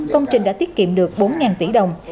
công trình đã tiết kiệm được bốn tỷ đồng